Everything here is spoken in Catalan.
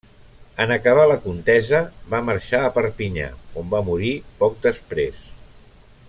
En acabar la contesa va marxar a Perpinyà, on va morir poc després.